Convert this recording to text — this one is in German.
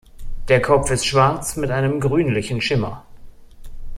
Der Kopf ist schwarz mit einem grünlichen Schimmer.